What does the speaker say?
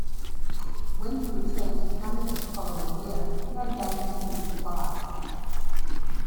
When he returned to Canada the following year, he had gained few supplies.